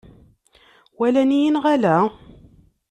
Walan-iyi neɣ ala?